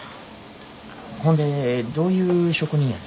ほんでどういう職人やの？